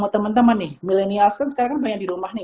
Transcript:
karena teman teman nih millennials kan sekarang banyak di rumah nih